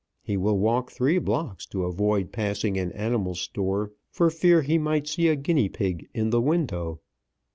He will walk three blocks to avoid passing an animal store, for fear he might see a guinea pig in the window.